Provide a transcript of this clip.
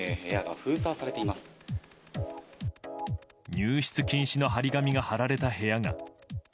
入室禁止の貼り紙が貼られた部屋が。